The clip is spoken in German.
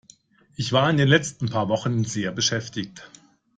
Ich war in den letzten paar Wochen sehr beschäftigt.